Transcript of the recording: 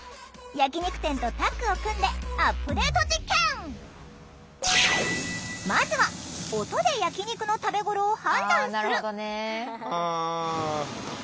焼き肉店とタッグを組んでまずは音で焼き肉の食べ頃を判断する！